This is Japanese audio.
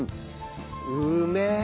うめえ！